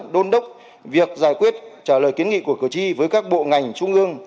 đôn đốc việc giải quyết trả lời kiến nghị của cử tri với các bộ ngành trung ương